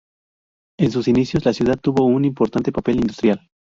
En sus inicios, la ciudad tuvo un importante papel industrial.